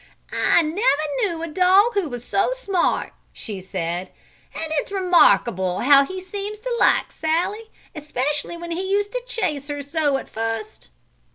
"I never knew a dog who was so smart," she said. "And it's remarkable how he seems to like Sallie, especially when he used to chase her so at first."